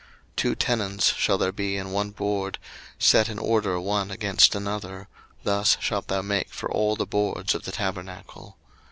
02:026:017 Two tenons shall there be in one board, set in order one against another: thus shalt thou make for all the boards of the tabernacle.